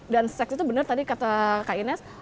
dan seks itu bener tadi kata kak iva